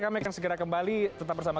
kami akan segera kembali tetap bersama